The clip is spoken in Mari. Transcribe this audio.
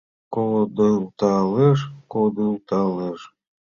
Кодылдалеш-кодылдалеш